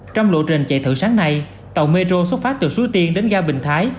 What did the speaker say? trong lộ trình chạy thử sáng nay tàu metro xuất phát từ suối tiên đến ga bình thái